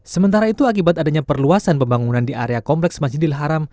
sementara itu akibat adanya perluasan pembangunan di area kompleks masjidil haram